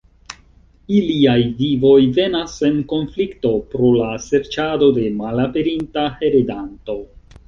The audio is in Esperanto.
Iliaj vivoj venas en konflikto pro la serĉado de malaperinta heredanto.